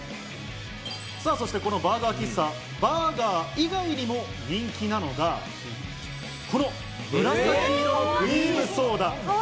このバーガー喫茶、バーガー以外にも人気なのがこの紫のクリームソーダ。